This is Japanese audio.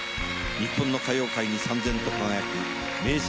日本の歌謡界にさん然と輝く名作